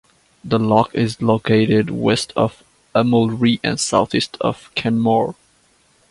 The loch is located west of Amulree and southeast of Kenmore.